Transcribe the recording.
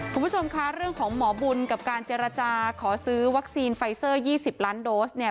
คุณผู้ชมคะเรื่องของหมอบุญกับการเจรจาขอซื้อวัคซีนไฟเซอร์๒๐ล้านโดสเนี่ย